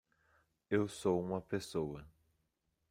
Eu sou uma pessoa